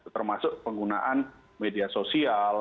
termasuk penggunaan media sosial